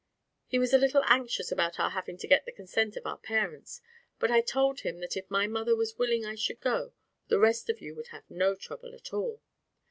He was a little anxious about our having to get the consent of our parents; but I told him that if my mother was willing I should go, the rest of you would have no trouble at all."